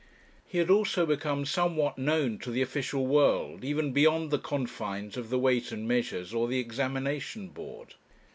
He had also become somewhat known to the official world, even beyond the confines of the Weights and Measures, or the Examination Board.